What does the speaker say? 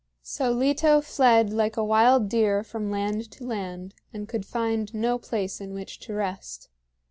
So Leto fled like a wild deer from land to land and could find no place in which to rest.